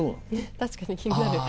確かに気になる。